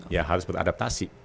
ya harus beradaptasi